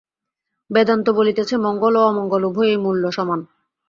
বেদান্ত বলিতেছে, মঙ্গল ও অমঙ্গল উভয়েরই মূল্য সমান।